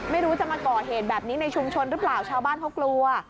ไม่รู้จะมาก่อเหตุแบบนี้ในชุมชนหรือเปล่าชาวบ้านเขากลัว